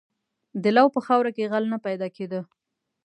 • د لو په خاوره کې غل نه پیدا کېده.